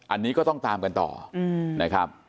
อันนี้ก็ต้องตามกันต่อนะครับ